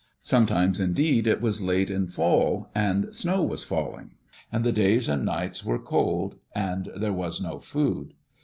Sometimes, indeed, it was late in the fall, and snow was falling, and the days and nights were cold, and there was no food.